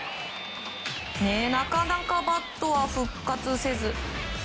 なかなかバットは復活せず。